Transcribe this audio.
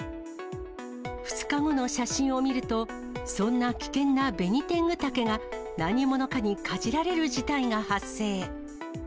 ２日後の写真を見ると、そんな危険なベニテングタケが何者かにかじられる事態が発生。